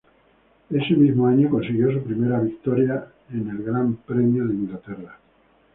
Ese mismo año consiguió su primera victoria en el Gran Premio de Inglaterra.